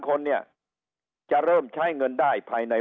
สวัสดีครับท่านผู้ชายครับ